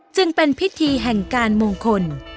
จึงเป็นพิธีแห่งการมงคล